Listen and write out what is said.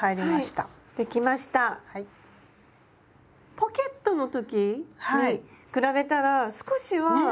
ポケットの時に比べたら少しは。ね！